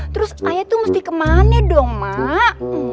terus ayah itu mesti kemana dong mak